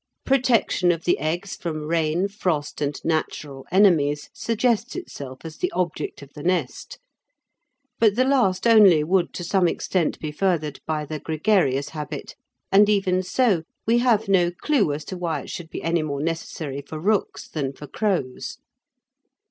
Protection of the eggs from rain, frost, and natural enemies suggests itself as the object of the nest, but the last only would to some extent be furthered by the gregarious habit, and even so we have no clue as to why it should be any more necessary for rooks than for crows.